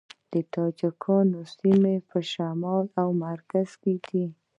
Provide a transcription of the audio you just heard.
د تاجکانو سیمې په شمال او مرکز کې دي